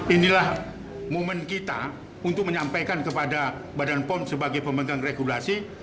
inilah momen kita untuk menyampaikan kepada badan pom sebagai pemegang regulasi